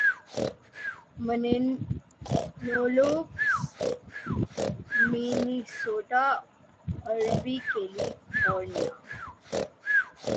منینولوپس Minnesota Aruvi California